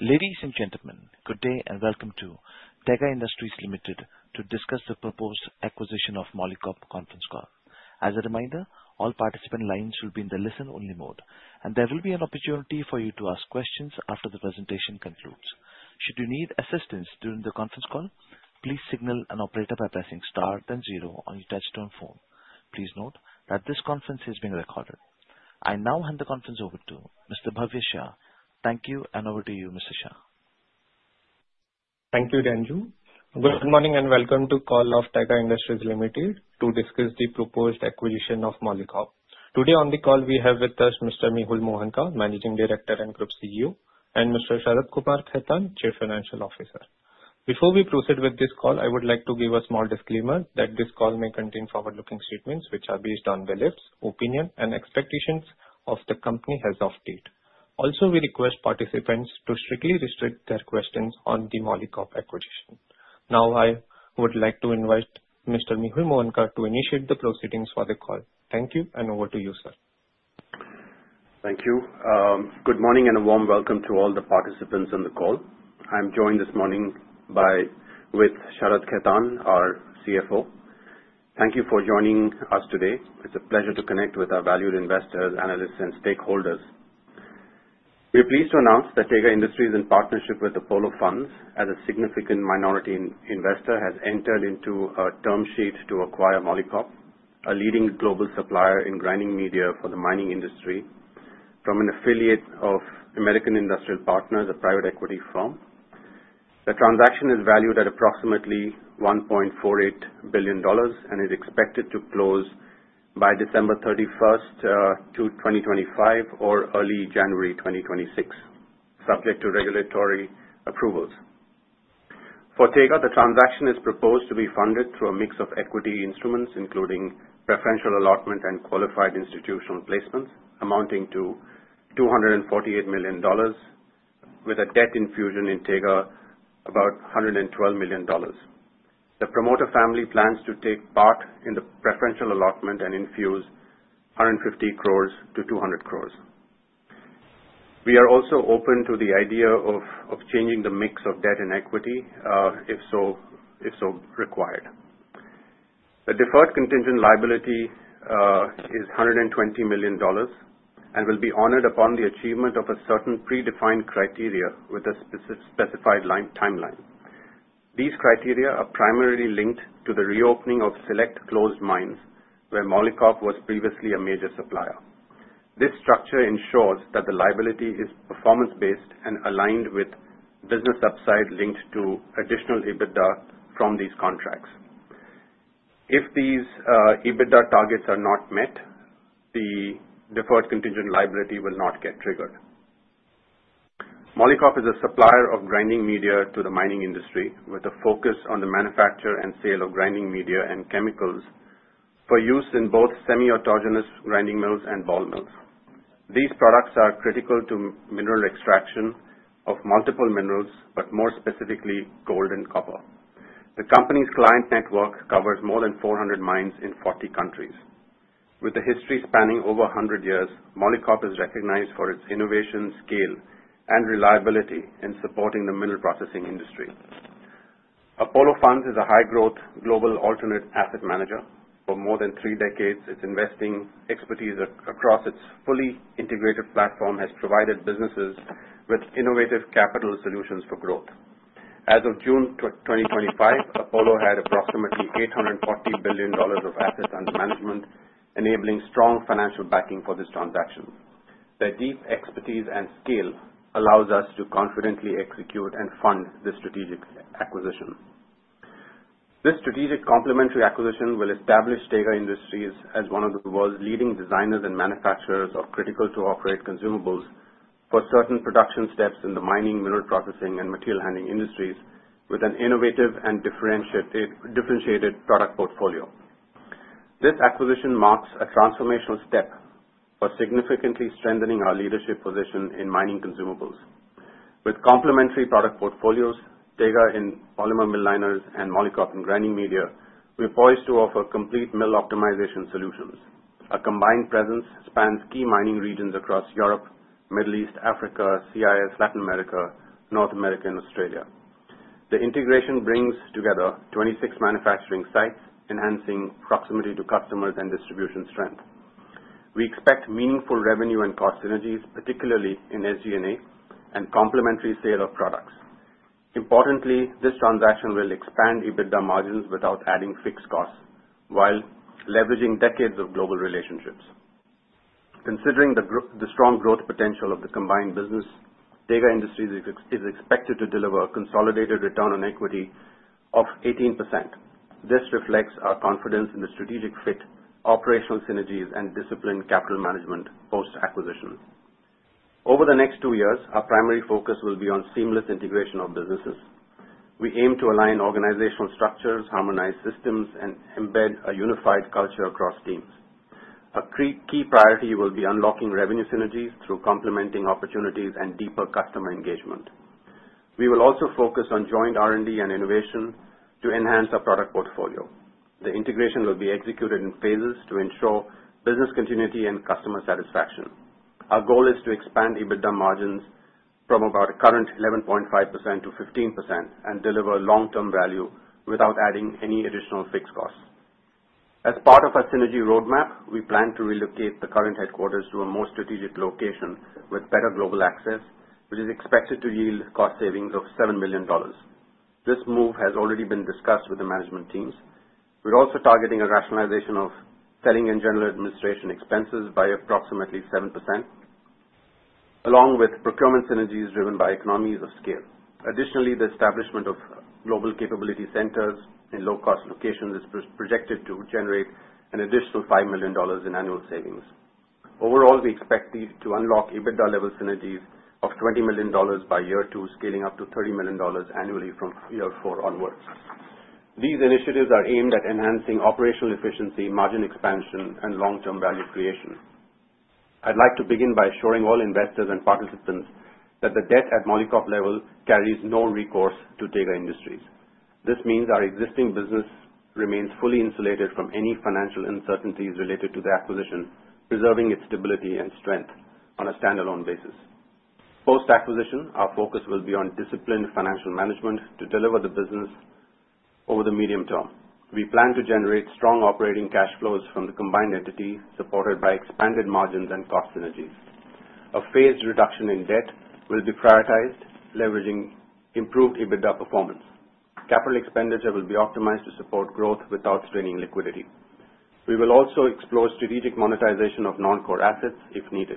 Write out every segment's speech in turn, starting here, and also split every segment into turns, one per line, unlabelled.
As a reminder, all participant lines will be in the listen-only mode, and there will be an opportunity for you to ask questions after the presentation concludes. Should you need assistance during the conference call, please signal an operator by pressing star then zero on your touch-tone phone. Please note that this conference is being recorded. I now hand the conference over to Mr. Bhavya Shah. Thank you, and over to you, Mr. Shah.
Thank you, Renju. Good morning and welcome to the call of Tega Industries Limited to discuss the proposed acquisition of Molycop. Today on the call, we have with us Mr. Mehul Mohanka, Managing Director and Group CEO, and Mr. Sharad Kumar Khetan, Chief Financial Officer. Before we proceed with this call, I would like to give a small disclaimer that this call may contain forward-looking statements which are based on beliefs, opinions, and expectations of the company as of date. Also, we request participants to strictly restrict their questions on the Molycop acquisition. Now, I would like to invite Mr. Mehul Mohanka to initiate the proceedings for the call. Thank you, and over to you, sir.
Thank you. Good morning and a warm welcome to all the participants in the call. I'm joined this morning with Sharad Khetan, our CFO. Thank you for joining us today. It's a pleasure to connect with our valued investors, analysts, and stakeholders. We're pleased to announce that Tega Industries, in partnership with the Apollo Funds as a significant minority investor, has entered into a term sheet to acquire Molycop, a leading global supplier in grinding media for the mining industry, from an affiliate of American Industrial Partners, a private equity firm. The transaction is valued at approximately $1.48 billion and is expected to close by December 31, 2025, or early January 2026, subject to regulatory approvals. For Tega, the transaction is proposed to be funded through a mix of equity instruments, including preferential allotment and qualified institutional placements, amounting to $248 million, with a debt infusion in Tega about $112 million. The promoter family plans to take part in the preferential allotment and infuse 150-200 crores. We are also open to the idea of changing the mix of debt and equity if so required. The deferred contingent liability is $120 million and will be honored upon the achievement of a certain predefined criteria with a specified timeline. These criteria are primarily linked to the reopening of select closed mines where Molycop was previously a major supplier. This structure ensures that the liability is performance-based and aligned with business upside linked to additional EBITDA from these contracts. If these EBITDA targets are not met, the deferred contingent liability will not get triggered. Molycop is a supplier of grinding media to the mining industry, with a focus on the manufacture and sale of grinding media and chemicals for use in both semi-autogenous grinding mills and ball mills. These products are critical to mineral extraction of multiple minerals, but more specifically, gold and copper. The company's client network covers more than 400 mines in 40 countries. With a history spanning over 100 years, Molycop is recognized for its innovation, scale, and reliability in supporting the mineral processing industry. Apollo Funds is a high-growth global alternative asset manager. For more than three decades, its investing expertise across its fully integrated platform has provided businesses with innovative capital solutions for growth. As of June 2025, Apollo had approximately $840 billion of assets under management, enabling strong financial backing for this transaction. Their deep expertise and scale allows us to confidently execute and fund this strategic acquisition. This strategic complementary acquisition will establish Tega Industries as one of the world's leading designers and manufacturers of critical-to-operate consumables for certain production steps in the mining, mineral processing, and material handling industries, with an innovative and differentiated product portfolio. This acquisition marks a transformational step for significantly strengthening our leadership position in mining consumables. With complementary product portfolios, Tega in polymer mill liners and Molycop in grinding media, we're poised to offer complete mill optimization solutions. A combined presence spans key mining regions across Europe, Middle East, Africa, CIS, Latin America, North America, and Australia. The integration brings together 26 manufacturing sites, enhancing proximity to customers and distribution strength. We expect meaningful revenue and cost synergies, particularly in SG&A and complementary sale of products. Importantly, this transaction will expand EBITDA margins without adding fixed costs while leveraging decades of global relationships. Considering the strong growth potential of the combined business, Tega Industries is expected to deliver a consolidated return on equity of 18%. This reflects our confidence in the strategic fit, operational synergies, and disciplined capital management post-acquisition. Over the next two years, our primary focus will be on seamless integration of businesses. We aim to align organizational structures, harmonize systems, and embed a unified culture across teams. A key priority will be unlocking revenue synergies through complementing opportunities and deeper customer engagement. We will also focus on joint R&D and innovation to enhance our product portfolio. The integration will be executed in phases to ensure business continuity and customer satisfaction. Our goal is to expand EBITDA margins from about the current 11.5% to 15% and deliver long-term value without adding any additional fixed costs. As part of our synergy roadmap, we plan to relocate the current headquarters to a more strategic location with better global access, which is expected to yield cost savings of $7 million. This move has already been discussed with the management teams. We're also targeting a rationalization of selling and general administration expenses by approximately 7%, along with procurement synergies driven by economies of scale. Additionally, the establishment of global capability centers in low-cost locations is projected to generate an additional $5 million in annual savings. Overall, we expect to unlock EBITDA-level synergies of $20 million by year two, scaling up to $30 million annually from year four onwards. These initiatives are aimed at enhancing operational efficiency, margin expansion, and long-term value creation. I'd like to begin by assuring all investors and participants that the debt at Molycop level carries no recourse to Tega Industries. This means our existing business remains fully insulated from any financial uncertainties related to the acquisition, preserving its stability and strength on a standalone basis. Post-acquisition, our focus will be on disciplined financial management to deliver the business over the medium term. We plan to generate strong operating cash flows from the combined entity, supported by expanded margins and cost synergies. A phased reduction in debt will be prioritized, leveraging improved EBITDA performance. Capital expenditure will be optimized to support growth without straining liquidity. We will also explore strategic monetization of non-core assets if needed.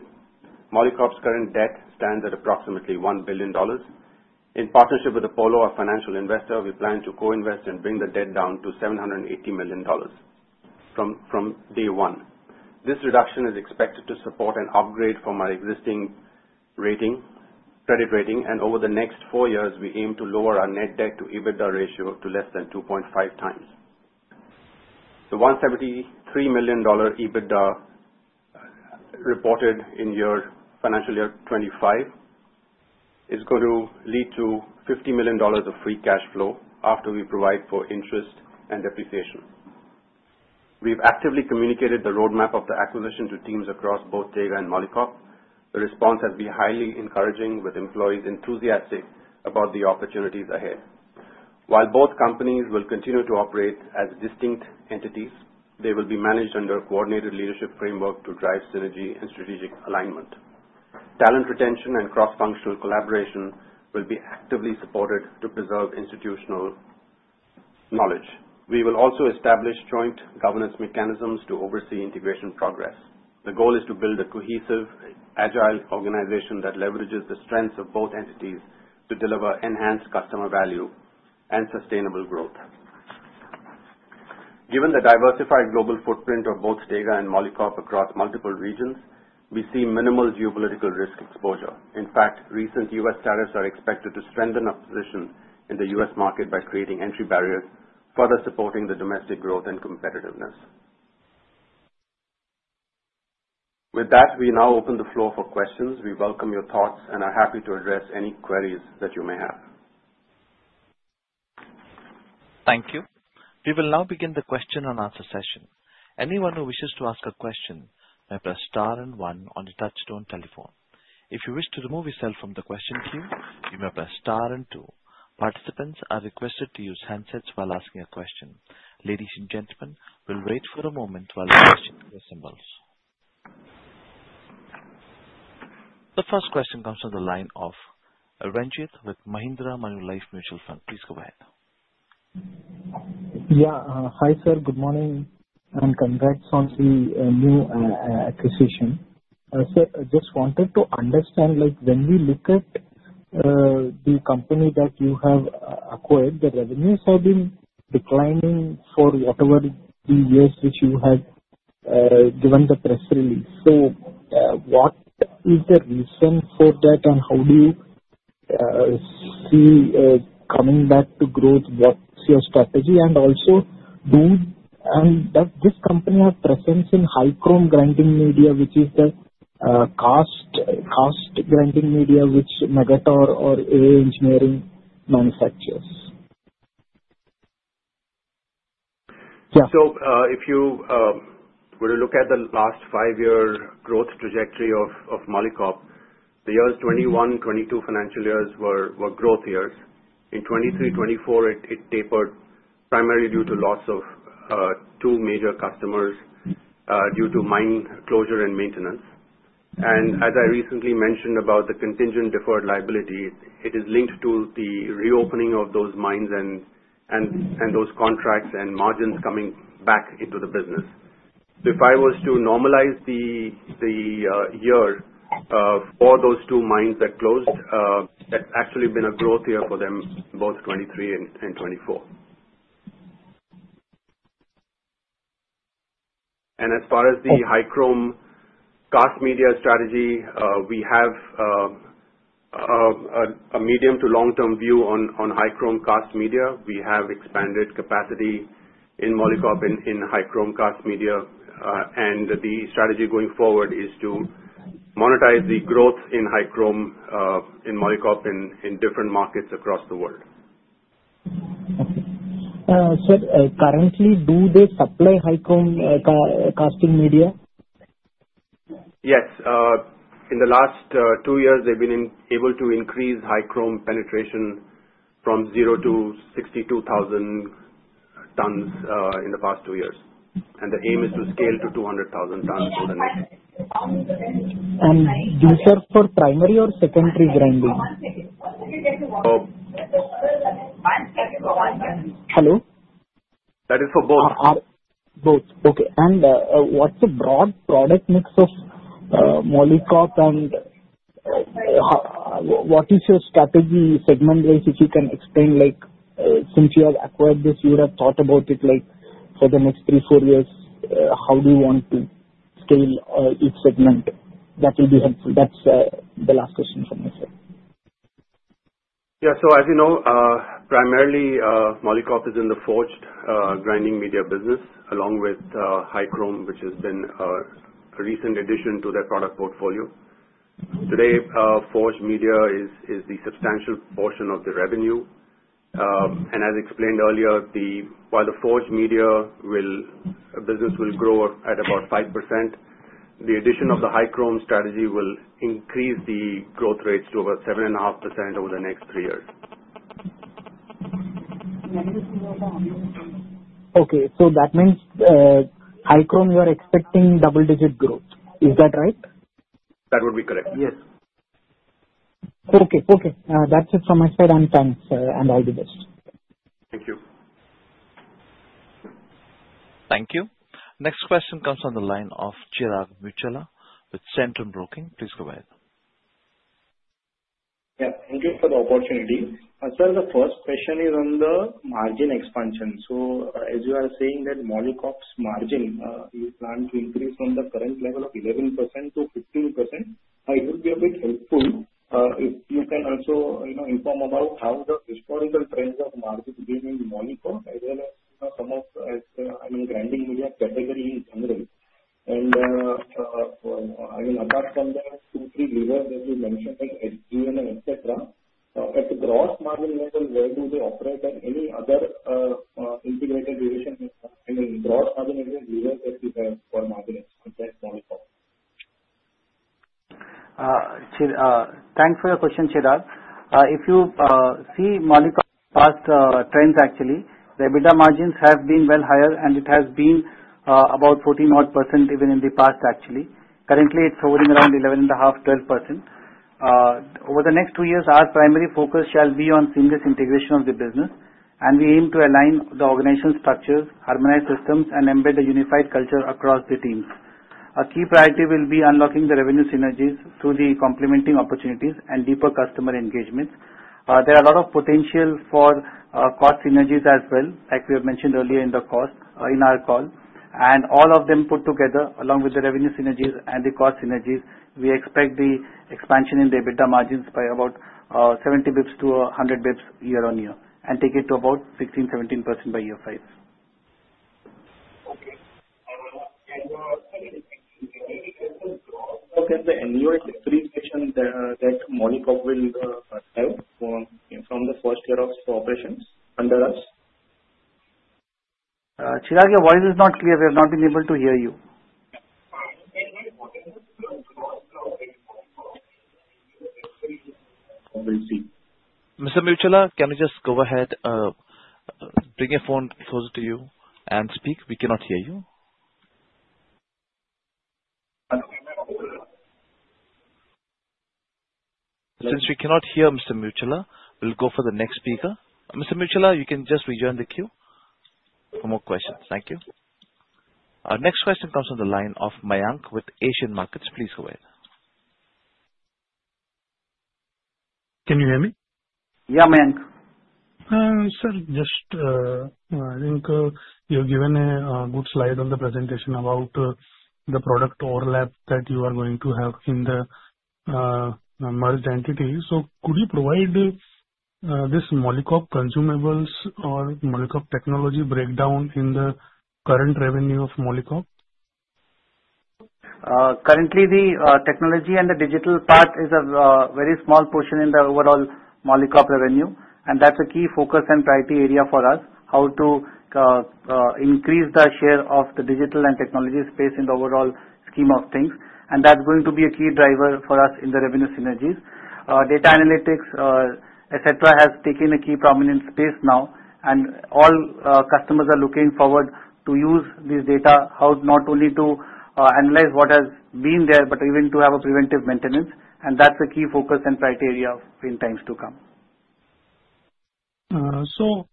Molycop's current debt stands at approximately $1 billion. In partnership with Apollo, our financial investor, we plan to co-invest and bring the debt down to $780 million from day one. This reduction is expected to support an upgrade from our existing credit rating, and over the next four years, we aim to lower our Net Debt-to-EBITDA ratio to less than 2.5 times. The $173 million EBITDA reported in financial year 2025 is going to lead to $50 million of free cash flow after we provide for interest and depreciation. We've actively communicated the roadmap of the acquisition to teams across both Tega and Molycop. The response has been highly encouraging, with employees enthusiastic about the opportunities ahead. While both companies will continue to operate as distinct entities, they will be managed under a coordinated leadership framework to drive synergy and strategic alignment. Talent retention and cross-functional collaboration will be actively supported to preserve institutional knowledge. We will also establish joint governance mechanisms to oversee integration progress. The goal is to build a cohesive, agile organization that leverages the strengths of both entities to deliver enhanced customer value and sustainable growth. Given the diversified global footprint of both Tega and Molycop across multiple regions, we see minimal geopolitical risk exposure. In fact, recent U.S. tariffs are expected to strengthen our position in the U.S. market by creating entry barriers, further supporting the domestic growth and competitiveness. With that, we now open the floor for questions. We welcome your thoughts and are happy to address any queries that you may have.
Thank you. We will now begin the question and answer session. Anyone who wishes to ask a question may press star and one on the touch-tone telephone. If you wish to remove yourself from the question queue, you may press star and two. Participants are requested to use handsets while asking a question. Ladies and gentlemen, we'll wait for a moment while the question queue assembles. The first question comes from the line of Renjith with Mahindra Manulife Mutual Fund. Please go ahead.
Yeah. Hi, sir. Good morning and congrats on the new acquisition. Sir, I just wanted to understand, when we look at the company that you have acquired, the revenues have been declining for whatever the years which you have given the press release. So what is the reason for that, and how do you see coming back to growth? What's your strategy? And also, does this company have presence in high-chrome grinding media, which is the cast grinding media which Magotteaux or AIA Engineering manufactures?
Yeah. If you were to look at the last five-year growth trajectory of Molycop, the years 2021, 2022 financial years were growth years. In 2023, 2024, it tapered primarily due to loss of two major customers due to mine closure and maintenance. As I recently mentioned about the contingent deferred liability, it is linked to the reopening of those mines and those contracts and margins coming back into the business. If I was to normalize the year for those two mines that closed, that's actually been a growth year for them, both 2023 and 2024. As far as the high-chrome cast media strategy, we have a medium to long-term view on high-chrome cast media. We have expanded capacity in Molycop in high-chrome cast media, and the strategy going forward is to monetize the growth in high-chrome in Molycop in different markets across the world.
Sir, currently, do they supply high-chrome cast media?
Yes. In the last two years, they've been able to increase high-chrome penetration from 0 to 62,000 tons in the past two years, and the aim is to scale to 200,000 tons in the next.
Do you serve for primary or secondary grinding?
For.
Hello?
That is for both.
Both. Okay. And what's the broad product mix of Molycop, and what is your strategy segment-wise? If you can explain, since you have acquired this, you would have thought about it for the next three, four years, how do you want to scale each segment? That will be helpful. That's the last question from me, sir.
Yeah. So as you know, primarily, Molycop is in the forged grinding media business, along with high-chrome, which has been a recent addition to their product portfolio. Today, forged media is the substantial portion of the revenue. And as explained earlier, while the forged media business will grow at about 5%, the addition of the high-chrome strategy will increase the growth rates to about 7.5% over the next three years.
Okay. So that means high-chrome, you are expecting double-digit growth. Is that right?
That would be correct. Yes.
Okay. Okay. That's it from my side, and thanks, and all the best.
Thank you.
Thank you. Next question comes from the line of Chirag Muchhala with Centrum Broking. Please go ahead.
Yeah. Thank you for the opportunity. Sir, the first question is on the margin expansion. So as you are saying that Molycop's margin is planned to increase from the current level of 11% to 15%, it would be a bit helpful if you can also inform about how the historical trends of margin gain in Molycop, as well as some of, I mean, grinding media category in general. And I mean, apart from the two, three leaders that you mentioned, like SG&A, etc., at the gross margin level, where do they operate? And any other integrated relationship, I mean, gross margin relationship leaders that you have for margin expansion at Molycop?
Thanks for your question, Chirag. If you see Molycop's past trends, actually, the EBITDA margins have been well higher, and it has been about 14-odd% even in the past, actually. Currently, it's hovering around 11.5%, 12%. Over the next two years, our primary focus shall be on seamless integration of the business, and we aim to align the organizational structures, harmonize systems, and embed a unified culture across the teams. A key priority will be unlocking the revenue synergies through the complementing opportunities and deeper customer engagements. There are a lot of potential for cost synergies as well, like we have mentioned earlier in our call. All of them put together, along with the revenue synergies and the cost synergies, we expect the expansion in the EBITDA margins by about 70 basis points to 100 basis points year on year and take it to about 16%-17% by year five.
Okay. And what is the annual depreciation that Molycop will have from the first year of operations under us?
Chirag, your voice is not clear. We have not been able to hear you. We'll see.
Mr. Muchhala, can you just go ahead, bring your phone closer to you and speak? We cannot hear you. Since we cannot hear Mr. Muchhala, we'll go for the next speaker. Mr. Muchhala, you can just rejoin the queue for more questions. Thank you. Our next question comes from the line of Mayank with Asian Market Securities. Please go ahead.
Can you hear me?
Yeah, Mayank.
Sir, just I think you've given a good slide on the presentation about the product overlap that you are going to have in the merged entity. So could you provide this Molycop consumables or Molycop technology breakdown in the current revenue of Molycop?
Currently, the technology and the digital part is a very small portion in the overall Molycop revenue, and that's a key focus and priority area for us, how to increase the share of the digital and technology space in the overall scheme of things. And that's going to be a key driver for us in the revenue synergies. Data analytics, etc., has taken a key prominent space now, and all customers are looking forward to use this data, not only to analyze what has been there, but even to have a preventive maintenance. And that's a key focus and priority area in times to come.
So,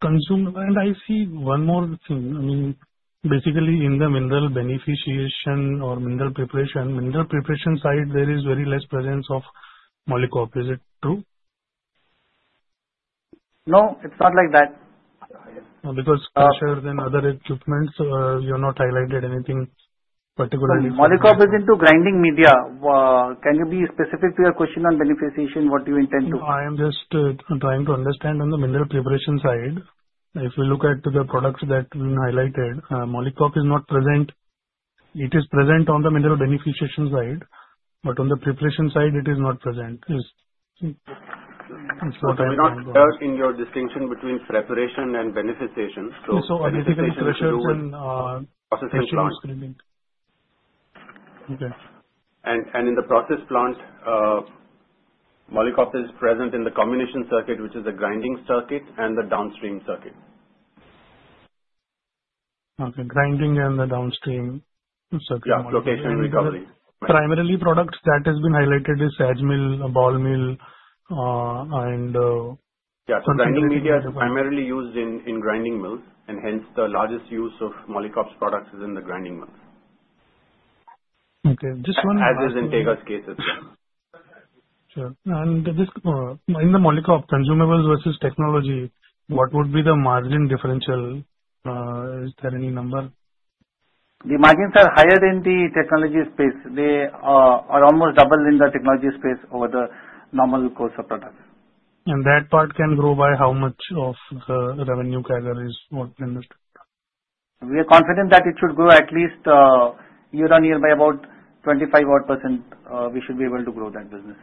consumer, and I see one more thing. I mean, basically, in the mineral beneficiation or mineral preparation, mineral preparation side, there is very less presence of Molycop. Is it true?
No, it's not like that.
Because other equipment, you have not highlighted anything particularly.
Molycop is into grinding media. Can you be specific to your question on beneficiation, what do you intend to?
I am just trying to understand on the mineral preparation side. If we look at the products that have been highlighted, Molycop is not present. It is present on the mineral beneficiation side, but on the preparation side, it is not present.
It's not. Therein your distinction between preparation and beneficiation.
I think it is present.
Preparation and processing plant.
Okay.
In the process plant, Molycop is present in the comminution circuit, which is the grinding circuit and the downstream circuit.
Okay. Grinding and the downstream circuit.
Yeah, location recovery.
Primarily, products that have been highlighted are SAG mill, ball mill, and.
Yeah. So grinding media is primarily used in grinding mills, and hence, the largest use of Molycop's products is in the grinding mills.
Okay. Just one.
As is in Tega's cases.
Sure. And in the Molycop consumables versus technology, what would be the margin differential? Is there any number?
The margins are higher than the technology space. They are almost double in the technology space over the normal cost of products.
That part can grow by how much of the revenue categories? What?
We are confident that it should grow at least year on year by about 25-odd%. We should be able to grow that business.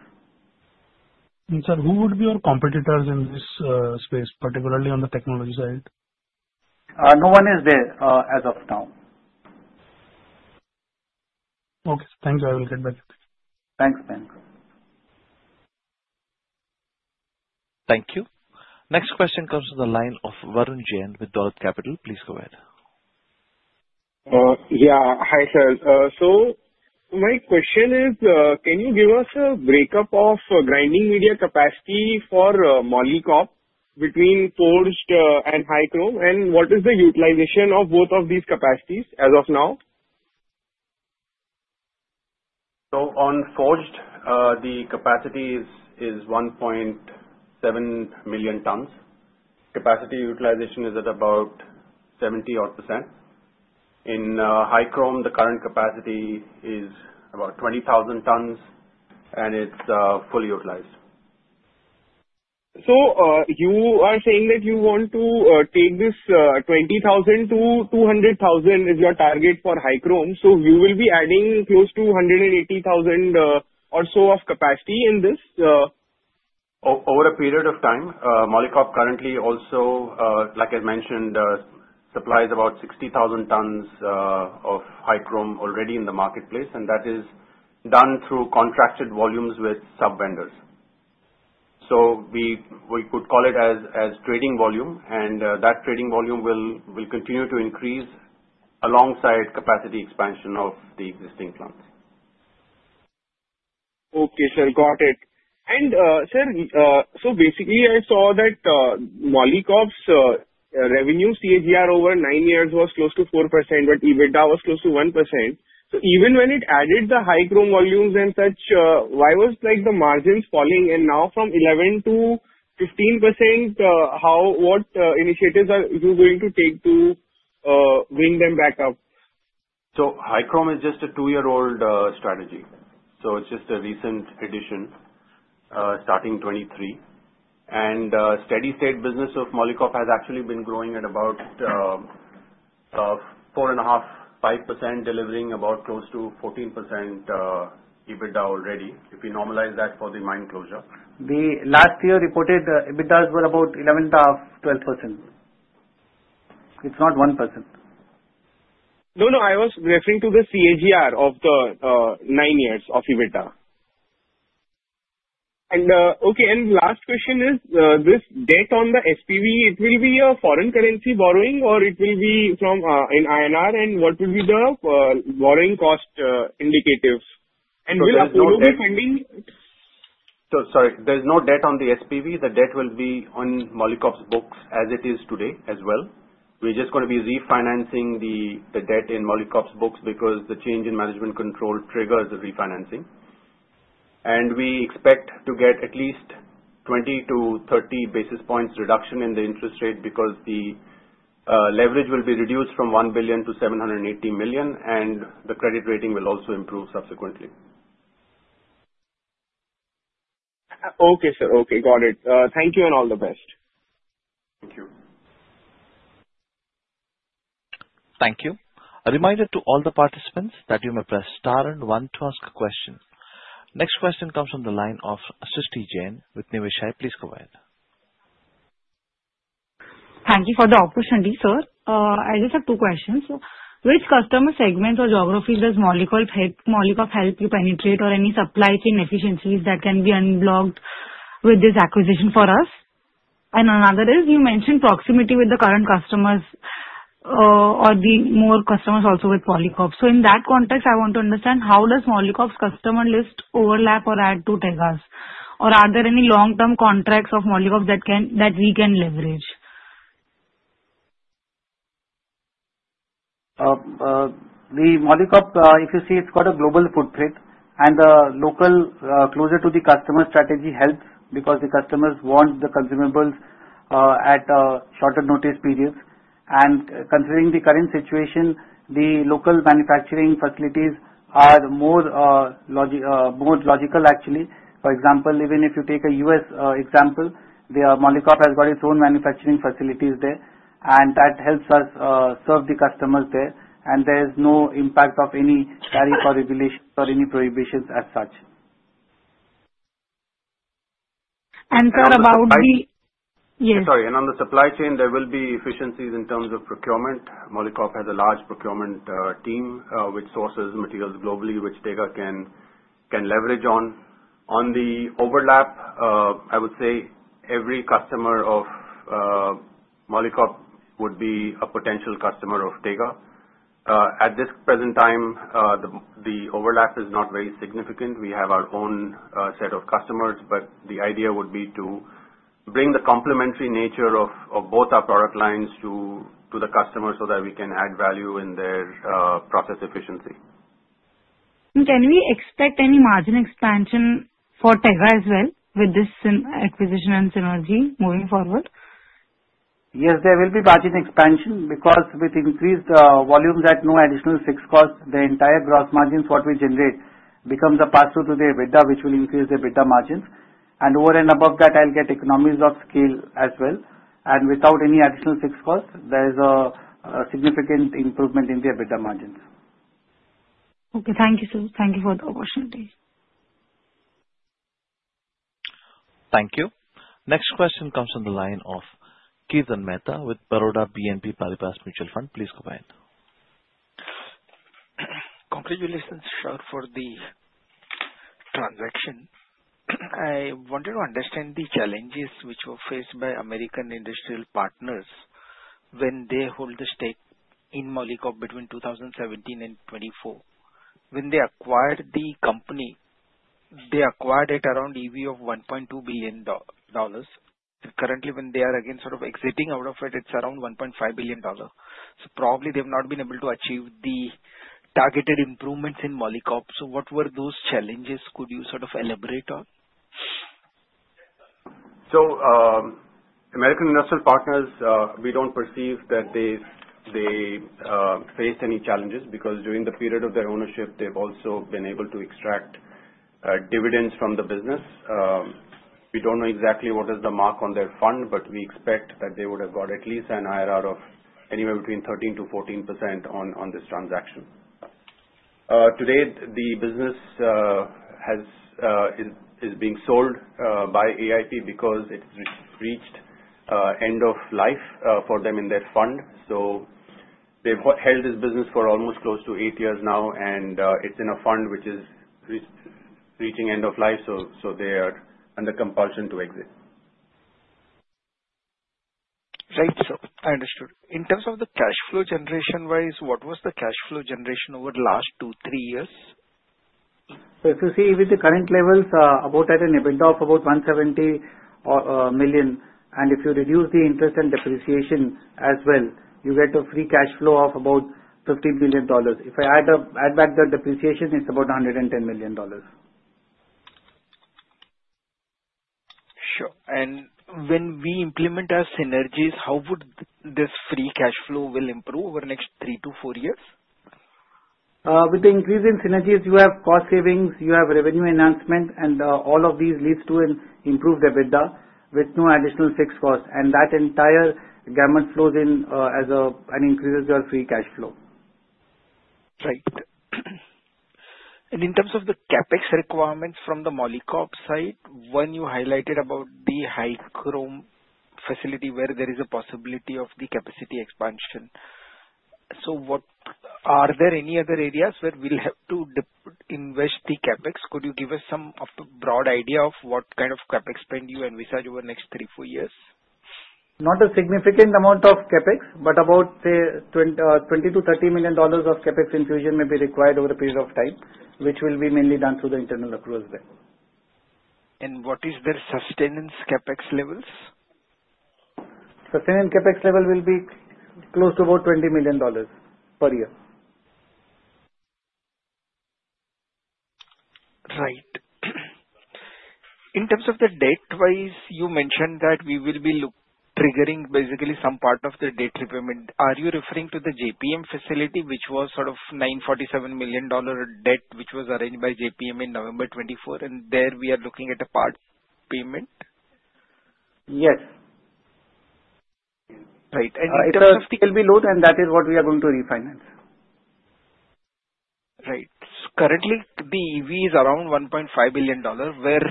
Sir, who would be your competitors in this space, particularly on the technology side?
No one is there as of now.
Okay. Thank you. I will get back to you.
Thanks, Mayank.
Thank you. Next question comes from the line of Varun Jain with Dolat Capital. Please go ahead.
Yeah. Hi, sir. So my question is, can you give us a breakup of grinding media capacity for Molycop between forged and high-chrome? And what is the utilization of both of these capacities as of now?
So on forged, the capacity is 1.7 million tons. Capacity utilization is at about 70-odd%. In high-chrome, the current capacity is about 20,000 tons, and it's fully utilized.
So, you are saying that you want to take this 20,000-200,000 is your target for high-chrome. So, you will be adding close to 180,000 or so of capacity in this?
Over a period of time, Molycop currently also, like I mentioned, supplies about 60,000 tons of high-chrome already in the marketplace, and that is done through contracted volumes with sub-vendors. So we could call it as trading volume, and that trading volume will continue to increase alongside capacity expansion of the existing plants.
Okay, sir. Got it. And sir, so basically, I saw that Molycop's revenue CAGR over nine years was close to 4%, but EBITDA was close to 1%. So even when it added the high-chrome volumes and such, why was the margins falling? And now, from 11%-15%, what initiatives are you going to take to bring them back up?
High-chrome is just a two-year-old strategy. It's just a recent addition starting 2023. Steady-state business of Molycop has actually been growing at about 4.5%-5%, delivering about close to 14% EBITDA already if we normalize that for the mine closure.
Last year reported EBITDA was about 11-odd, 12%. It's not 1%.
No, no. I was referring to the CAGR of the nine years of EBITDA. And okay. And last question is, this debt on the SPV, it will be a foreign currency borrowing, or it will be from an INR? And what will be the borrowing cost indicative? And will you be funding?
Sorry. There's no debt on the SPV. The debt will be on Molycop's books as it is today as well. We're just going to be refinancing the debt in Molycop's books because the change in management control triggers the refinancing. And we expect to get at least 20 to 30 basis points reduction in the interest rate because the leverage will be reduced from $1 billion to $780 million, and the credit rating will also improve subsequently.
Okay, sir. Okay. Got it. Thank you, and all the best.
Thank you.
Thank you. A reminder to all the participants that you may press star and one to ask a question. Next question comes from the line of Srishti Jain with Niveshaay. Please go ahead.
Thank you for the opportunity, sir. I just have two questions. Which customer segments or geographies does Molycop help you penetrate or any supply chain efficiencies that can be unblocked with this acquisition for us? And another is, you mentioned proximity with the current customers or the more customers also with Molycop. So in that context, I want to understand how does Molycop's customer list overlap or add to Tega's? Or are there any long-term contracts of Molycop that we can leverage?
The Molycop, if you see, it's got a global footprint, and the local closer-to-the-customer strategy helps because the customers want the consumables at shorter notice periods, and considering the current situation, the local manufacturing facilities are more logical, actually. For example, even if you take a U.S. example, Molycop has got its own manufacturing facilities there, and that helps us serve the customers there, and there is no impact of any tariff or regulations or any prohibitions as such.
Sir, about the.
Sorry. And on the supply chain, there will be efficiencies in terms of procurement. Molycop has a large procurement team which sources materials globally, which Tega can leverage on. On the overlap, I would say every customer of Molycop would be a potential customer of Tega. At this present time, the overlap is not very significant. We have our own set of customers, but the idea would be to bring the complementary nature of both our product lines to the customer so that we can add value in their process efficiency.
Can we expect any margin expansion for Tega as well with this acquisition and synergy moving forward?
Yes, there will be margin expansion because with increased volumes at no additional fixed cost, the entire gross margins what we generate becomes a pass-through to the EBITDA, which will increase the EBITDA margins. And over and above that, I'll get economies of scale as well. And without any additional fixed cost, there is a significant improvement in the EBITDA margins.
Okay. Thank you, sir. Thank you for the opportunity.
Thank you. Next question comes from the line of Kirtan Mehta with Baroda BNP Paribas Mutual Fund. Please go ahead.
Congratulations, sir, for the transaction. I wanted to understand the challenges which were faced by American Industrial Partners when they hold the stake in Molycop between 2017 and 2024. When they acquired the company, they acquired it around EV of $1.2 billion. Currently, when they are again sort of exiting out of it, it's around $1.5 billion. So probably they have not been able to achieve the targeted improvements in Molycop. So what were those challenges? Could you sort of elaborate on?
So American Industrial Partners, we don't perceive that they faced any challenges because during the period of their ownership, they've also been able to extract dividends from the business. We don't know exactly what is the mark on their fund, but we expect that they would have got at least an IRR of anywhere between 13%-14% on this transaction. Today, the business is being sold by AIP because it's reached end of life for them in their fund. So they've held this business for almost close to eight years now, and it's in a fund which is reaching end of life, so they are under compulsion to exit.
Right. So I understood. In terms of the cash flow generation-wise, what was the cash flow generation over the last two, three years?
So if you see, with the current levels, I bought at an EBITDA of about $170 million. And if you reduce the interest and depreciation as well, you get a free cash flow of about $15 million. If I add back the depreciation, it's about $110 million.
Sure. And when we implement our synergies, how would this free cash flow improve over the next three to four years?
With the increase in synergies, you have cost savings, you have revenue enhancement, and all of these lead to an improved EBITDA with no additional fixed cost, and that entire gamut flows in as an increase in your free cash flow.
Right, and in terms of the CapEx requirements from the Molycop side, when you highlighted about the high-chrome facility where there is a possibility of the capacity expansion, so are there any other areas where we'll have to invest the CapEx? Could you give us some broad idea of what kind of CapEx spend you envisage over the next three, four years?
Not a significant amount of CapEx, but about, say, $20-$30 million of CapEx infusion may be required over a period of time, which will be mainly done through the internal accruals there.
What is their sustenance CapEx levels?
Sustaining CapEx level will be close to about $20 million per year.
Right. In terms of the debt-wise, you mentioned that we will be triggering basically some part of the debt repayment. Are you referring to the JPM facility, which was sort of $947 million debt, which was arranged by JPM in November 2024, and there we are looking at a part payment?
Yes.
Right. And in terms of.
It will be low and that is what we are going to refinance.
Right. Currently, the EV is around $1.5 billion, where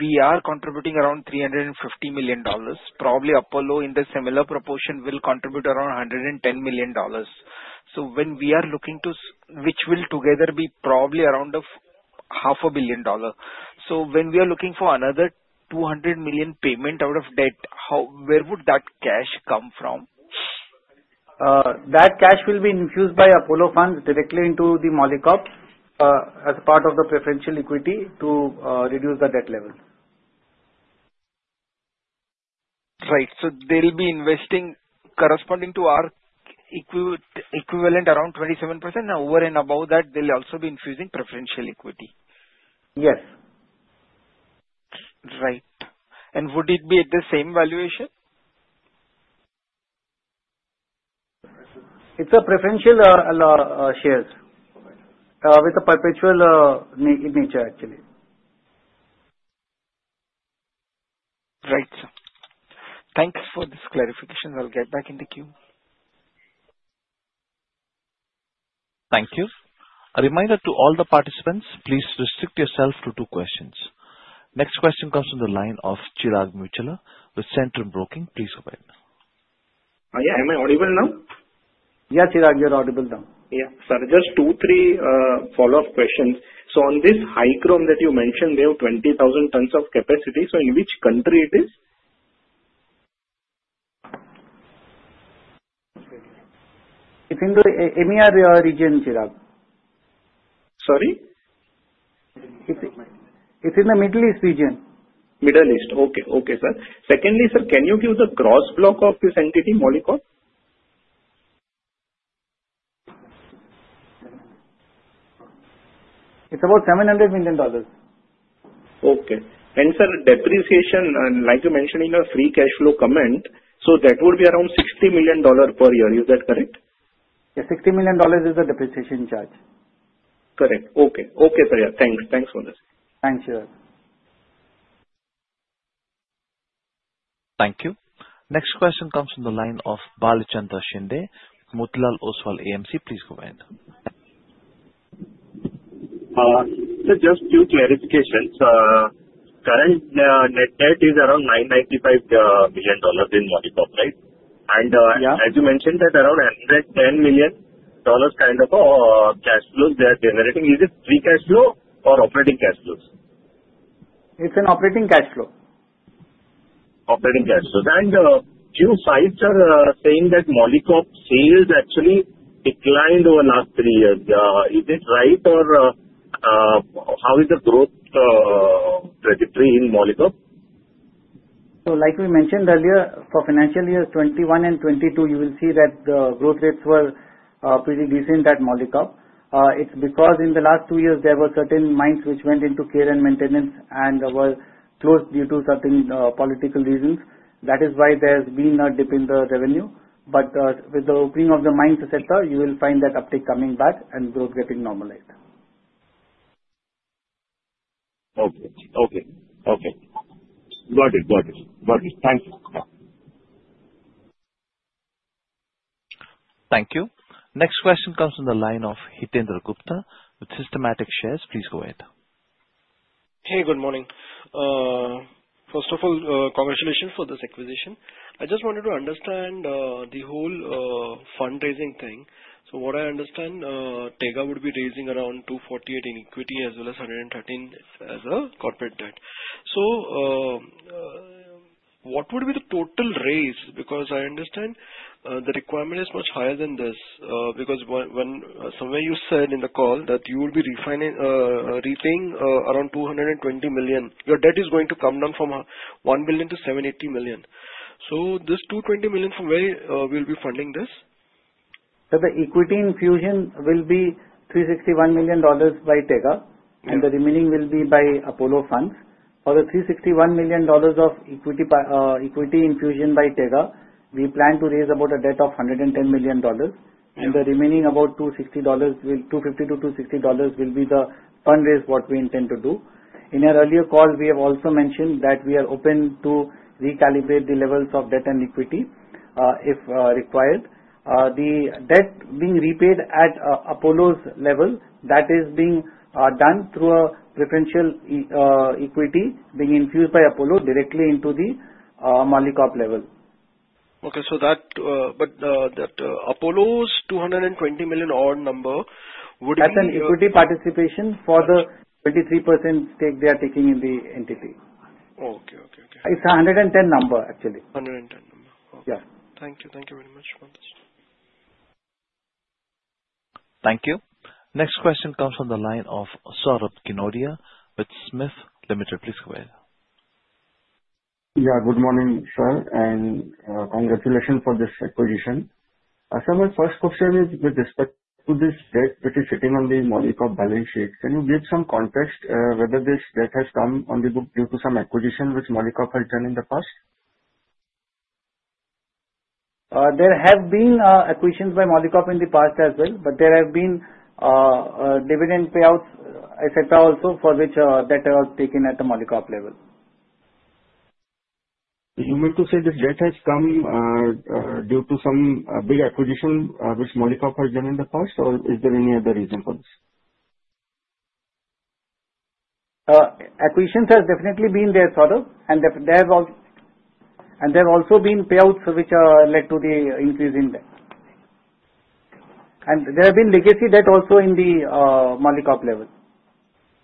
we are contributing around $350 million. Probably Apollo in the similar proportion will contribute around $110 million. So when we are looking to which will together be probably around $500 million. So when we are looking for another $200 million payment out of debt, where would that cash come from?
That cash will be infused by Apollo Funds directly into the Molycop as part of the preferential equity to reduce the debt level.
Right. So they'll be investing corresponding to our equivalent around 27%, and over and above that, they'll also be infusing preferential equity.
Yes.
Right. Would it be at the same valuation?
It's a preferential shares with a perpetual nature, actually.
Right. Thanks for this clarification. I'll get back in the queue.
Thank you. A reminder to all the participants, please restrict yourself to two questions. Next question comes from the line of Chirag Muchhala with Centrum Broking. Please go ahead.
Yeah. Am I audible now?
Yeah, Chirag, you're audible now.
Yeah. Sorry. Just two, three follow-up questions. So on this high-chrome that you mentioned, they have 20,000 tons of capacity. So in which country it is?
It's in the EMEA region, Chirag.
Sorry?
It's in the Middle East region.
Middle East. Okay. Okay, sir. Secondly, sir, can you give the gross block of this entity, Molycop?
It's about $700 million.
Okay. And sir, depreciation, like you mentioned in your free cash flow comment, so that would be around $60 million per year. Is that correct?
Yeah. $60 million is the depreciation charge.
Correct. Okay. Okay, sir. Yeah. Thanks. Thanks for this.
Thanks, Chirag.
Thank you. Next question comes from the line of Bhalchandra Shinde with Motilal Oswal AMC. Please go ahead.
Sir, just two clarifications. Current net debt is around $995 million in Molycop, right? And as you mentioned, that around $110 million kind of cash flows they are generating. Is it free cash flow or operating cash flows?
It's an operating cash flow.
Operating cash flow. And you saw, sir, saying that Molycop sales actually declined over the last three years. Is it right, or how is the growth trajectory in Molycop?
So like we mentioned earlier, for financial year 2021 and 2022, you will see that the growth rates were pretty decent at Molycop. It's because in the last two years, there were certain mines which went into care and maintenance and were closed due to certain political reasons. That is why there's been a dip in the revenue. But with the opening of the mines sector, you will find that uptick coming back and growth getting normalized.
Okay. Okay. Okay. Got it. Got it. Got it. Thanks.
Thank you. Next question comes from the line of Hitendra Gupta with Systematix Shares & Stocks. Please go ahead.
Hey, good morning. First of all, congratulations for this acquisition. I just wanted to understand the whole fundraising thing. So what I understand, Tega would be raising around $248 in equity as well as $113 as a corporate debt. So what would be the total raise? Because I understand the requirement is much higher than this because when somewhere you said in the call that you would be repaying around $220 million, your debt is going to come down from $1 billion to $780 million. So this $220 million, from where will we be funding this?
So the equity infusion will be $361 million by Tega, and the remaining will be by Apollo Funds. For the $361 million of equity infusion by Tega, we plan to raise about a debt of $110 million, and the remaining about $250-$260 million will be the fundraise what we intend to do. In our earlier call, we have also mentioned that we are open to recalibrate the levels of debt and equity if required. The debt being repaid at Apollo's level, that is being done through a preferential equity being infused by Apollo directly into the Molycop level.
Okay, but that Apollo's $220 million number would.
That's an equity participation for the 23% stake they are taking in the entity.
Okay. Okay. Okay.
It's a $110 number, actually.
$110 number. Okay. Thank you. Thank you very much for this.
Thank you. Next question comes from the line of Saurabh Ginodia with SMIFS Limited. Please go ahead.
Yeah. Good morning, sir, and congratulations for this acquisition. Sir, my first question is with respect to this debt which is sitting on the Molycop balance sheet. Can you give some context whether this debt has come on the book due to some acquisition which Molycop has done in the past?
There have been acquisitions by Molycop in the past as well, but there have been dividend payouts, etc., also for which debt was taken at the Molycop level.
You mean to say this debt has come due to some big acquisition which Molycop has done in the past, or is there any other reason for this?
Acquisitions have definitely been there, Saurabh, and there have also been payouts which led to the increase in debt, and there have been legacy debt also in the Molycop level.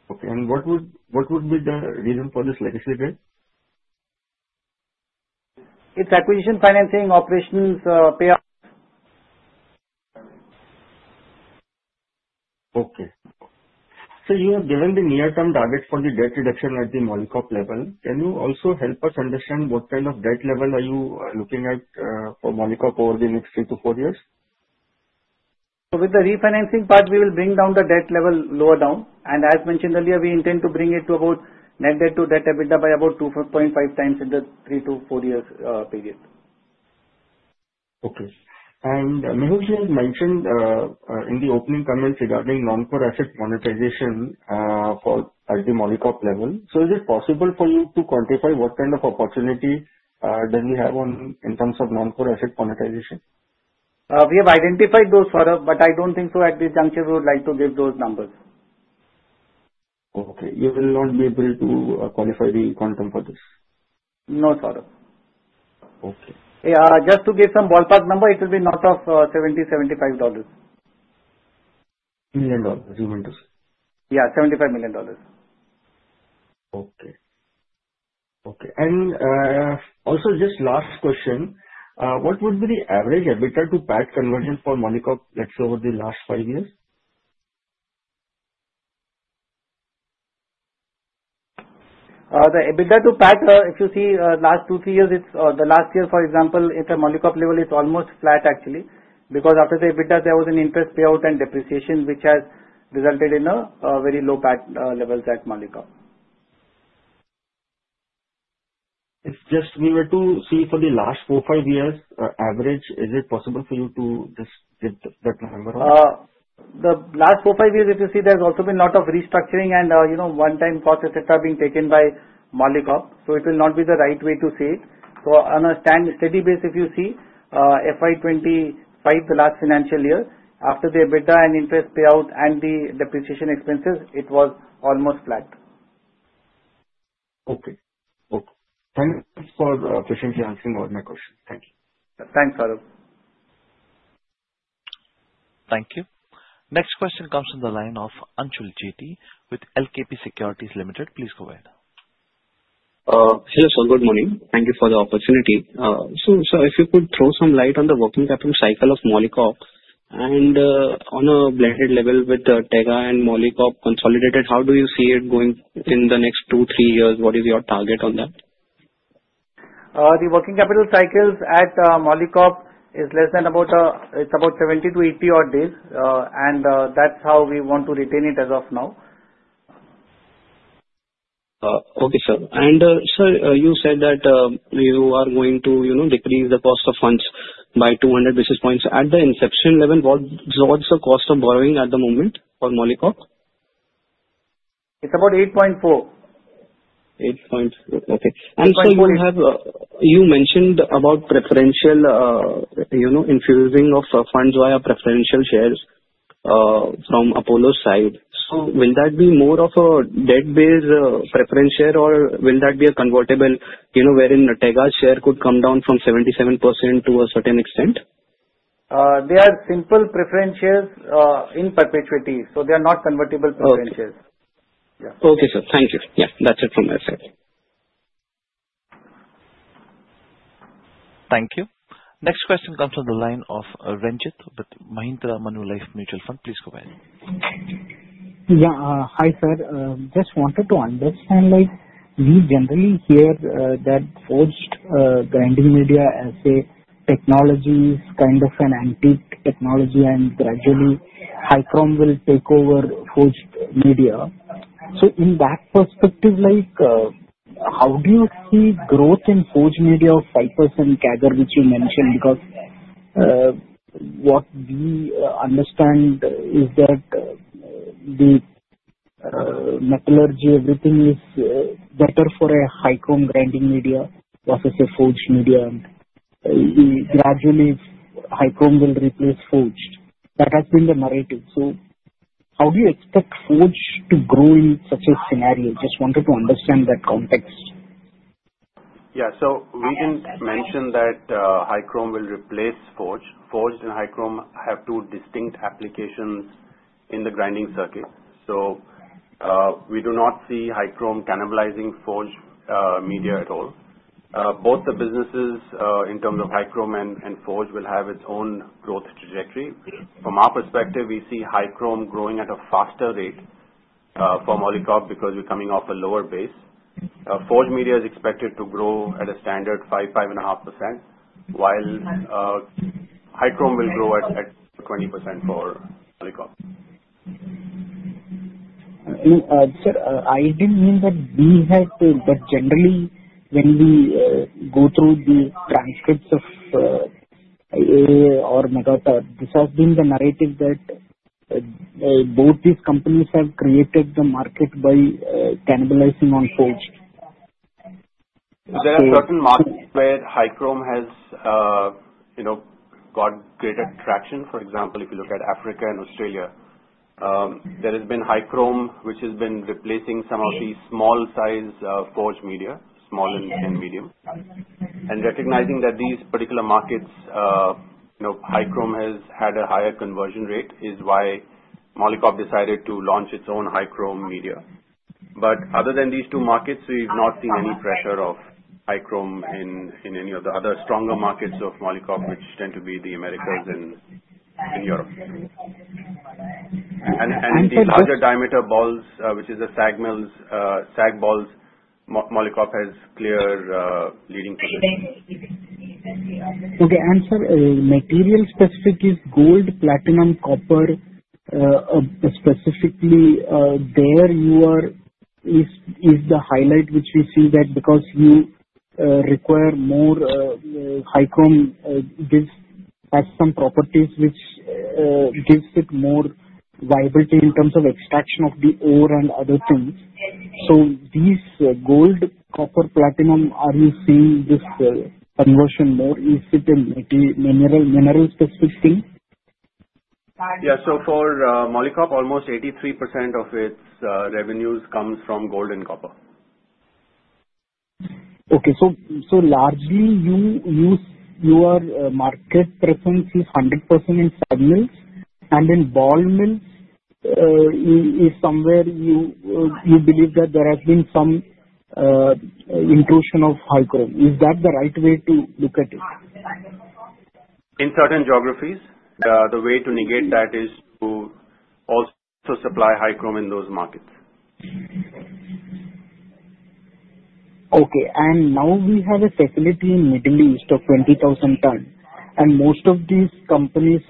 Okay. And what would be the reason for this legacy debt?
It's acquisition financing operations payout.
Okay. So you have given the near-term targets for the debt reduction at the Molycop level. Can you also help us understand what kind of debt level are you looking at for Molycop over the next three to four years?
So with the refinancing part, we will bring down the debt level lower down. And as mentioned earlier, we intend to bring it to about net debt-to-EBITDA by about 2.5 times in the three-to-four years period.
Okay. And Mehul, you had mentioned in the opening comments regarding non-core asset monetization at the Molycop level. So is it possible for you to quantify what kind of opportunity does he have in terms of non-core asset monetization?
We have identified those, Saurabh, but I don't think so at this juncture we would like to give those numbers.
Okay. You will not be able to qualify the quantum for this?
No, Saurabh.
Okay.
Just to give some ballpark number, it will be north of $70, $75.
Million dollars, you mean to say?
Yeah, $75 million.
Okay. Okay. And also, just last question, what would be the average EBITDA to PAT conversion for Molycop, let's say, over the last five years?
The EBITDA to PAT, if you see, last two, three years, the last year, for example, at the Molycop level, it's almost flat, actually, because after the EBITDA, there was an interest payout and depreciation which has resulted in very low PAT levels at Molycop.
It's just we were to see for the last four, five years average. Is it possible for you to just give that number?
The last four, five years, if you see, there's also been a lot of restructuring and one-time costs, etc., being taken by Molycop. So it will not be the right way to say it. So on a steady base, if you see, FY25, the last financial year, after the EBITDA and interest payout and the depreciation expenses, it was almost flat.
Okay. Okay. Thank you for patiently answering all my questions. Thank you.
Thanks, Saurabh.
Thank you. Next question comes from the line of Anshul Agrawal with LKP Securities Limited. Please go ahead.
Hi, sir. Good morning. Thank you for the opportunity. So, sir, if you could throw some light on the working capital cycle of Molycop and on a blended level with Tega and Molycop consolidated, how do you see it going in the next two, three years? What is your target on that?
The working capital cycles at Molycop is about 70-80 odd days, and that's how we want to retain it as of now.
Okay, sir, and sir, you said that you are going to decrease the cost of funds by 200 basis points. At the inception level, what's the cost of borrowing at the moment for Molycop?
It's about 8.4.
Okay. And so you have mentioned about preferential infusing of funds via preferential shares from Apollo's side. So will that be more of a debt-based preferential share, or will that be a convertible wherein Tega's share could come down from 77% to a certain extent?
They are simple preferential shares in perpetuity. So they are not convertible preferential shares.
Okay, sir. Thank you. Yeah. That's it from my side.
Thank you. Next question comes from the line of Ranjith with Mahindra Manulife Mutual Fund. Please go ahead.
Yeah. Hi, sir. Just wanted to understand, we generally hear that forged grinding media as a technology is kind of an antique technology, and gradually, high-chrome will take over forged media. So in that perspective, how do you see growth in forged media of Molycop and Tega, which you mentioned? Because what we understand is that the metallurgy, everything is better for a high-chrome grinding media versus a forged media, and gradually, high-chrome will replace forged. That has been the narrative. So how do you expect forged to grow in such a scenario? Just wanted to understand that context.
Yeah. So we didn't mention that high-chrome will replace forged. Forged and high-chrome have two distinct applications in the grinding circuit. So we do not see high-chrome cannibalizing forged media at all. Both the businesses, in terms of high-chrome and forged, will have its own growth trajectory. From our perspective, we see high-chrome growing at a faster rate from Molycop because we're coming off a lower base. Forged media is expected to grow at a standard 5-5.5%, while high-chrome will grow at 20% for Molycop.
Sir, I didn't mean that we had, but generally, when we go through the transcripts of AIA or Magotteaux, this has been the narrative that both these companies have created the market by cannibalizing on forged.
There are certain markets where high-chrome has got greater traction. For example, if you look at Africa and Australia, there has been high-chrome which has been replacing some of these small-sized forged media, small and medium, and recognizing that these particular markets, high-chrome has had a higher conversion rate is why Molycop decided to launch its own high-chrome media, but other than these two markets, we've not seen any pressure of high-chrome in any of the other stronger markets of Molycop, which tend to be the Americas and Europe, and in the larger diameter balls, which is the SAG balls, Molycop has clear leading position.
Okay. And, sir, mineral specific is gold, platinum, copper. Specifically, there is the highlight which we see that because you require more high-chrome, this has some properties which gives it more viability in terms of extraction of the ore and other things. So these gold, copper, platinum, are you seeing this conversion more? Is it a mineral-specific thing?
Yeah. So for Molycop, almost 83% of its revenues comes from gold and copper.
Okay. So largely, your market presence is 100% in SAG mills, and in ball mills is somewhere you believe that there has been some intrusion of high-chrome. Is that the right way to look at it?
In certain geographies, the way to negate that is to also supply high-chrome in those markets.
Okay. And now we have a facility in Middle East of 20,000 tons, and most of these companies'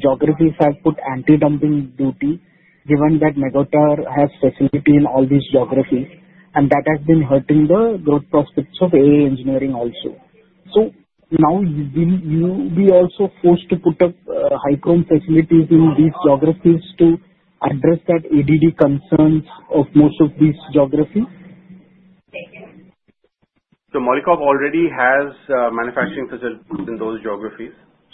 geographies have put anti-dumping duty, given that Magotteaux has facilities in all these geographies, and that has been hurting the growth prospects of AIA Engineering also. So now you'll be also forced to put up high-chrome facilities in these geographies to address that ADD concerns of most of these geographies?
So Molycop already has manufacturing facilities in those geographies,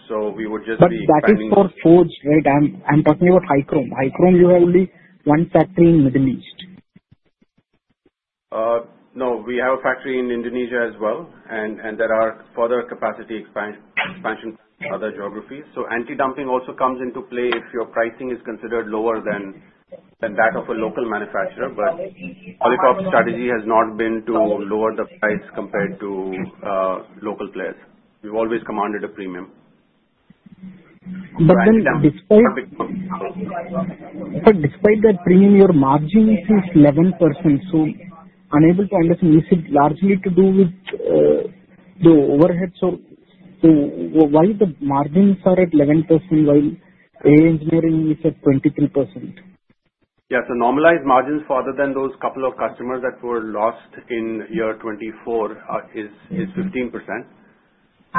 so we would just be expecting.
But that is for forged, right? I'm talking about high-chrome. High-chrome, you have only one factory in Middle East.
No, we have a factory in Indonesia as well, and there are further capacity expansion in other geographies. So anti-dumping also comes into play if your pricing is considered lower than that of a local manufacturer, but Molycop's strategy has not been to lower the price compared to local players. We've always commanded a premium.
But then despite. But despite that premium, your margin is 11%. So I'm able to understand, is it largely to do with the overheads? So why the margins are at 11% while AIA Engineering is at 23%?
Yeah. So normalized margins rather than those couple of customers that were lost in 2024 is 15%.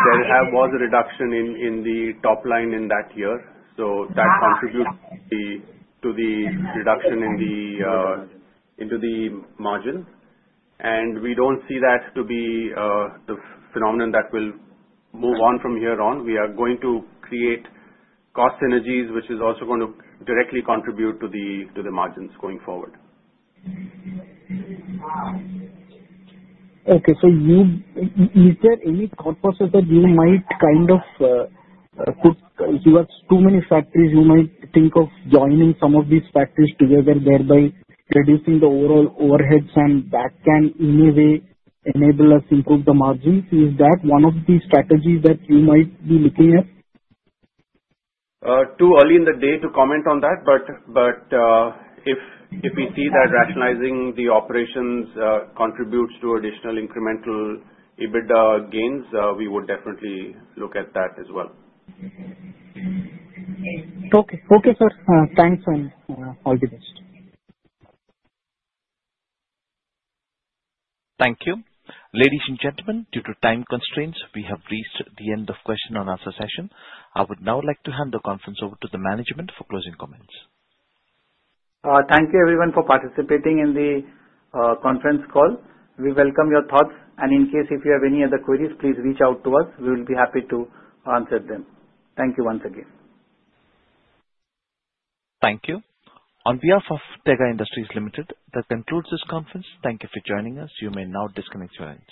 There was a reduction in the top line in that year, so that contributes to the reduction in the margin. And we don't see that to be the phenomenon that will carry on from here on. We are going to create cost synergies, which is also going to directly contribute to the margins going forward.
Okay, so you said any thought process that you might kind of put towards too many factories, you might think of joining some of these factories together, thereby reducing the overall overheads and that can in a way enable us to improve the margins. Is that one of the strategies that you might be looking at?
Too early in the day to comment on that, but if we see that rationalizing the operations contributes to additional incremental EBITDA gains, we would definitely look at that as well.
Okay. Okay, sir. Thanks, sir. All the best.
Thank you. Ladies and gentlemen, due to time constraints, we have reached the end of question and answer session. I would now like to hand the conference over to the management for closing comments.
Thank you, everyone, for participating in the conference call. We welcome your thoughts, and in case if you have any other queries, please reach out to us. We will be happy to answer them. Thank you once again.
Thank you. On behalf of Tega Industries Limited, that concludes this conference. Thank you for joining us. You may now disconnect your lines.